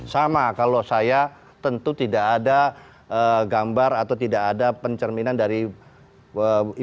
sama kalau saya tentu tidak ada gambar atau tidak ada pencerminan dari ibu